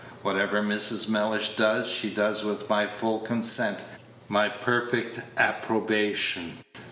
Whatever Mrs. Mellish does, she does with my full consent, my perfect approbation.